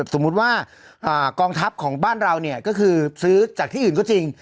สมมุติว่ากองทัพของบ้านเราก็คือซื้อจากที่อื่นก็จริง